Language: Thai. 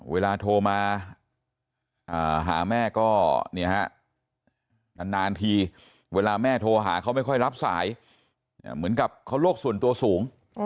เวลาโทรมาหาแม่ก็นานทีเวลาแม่โทรหาเขาไม่ค่อยรับสายเหมือนกับเขาโลกส่วนตัวสูง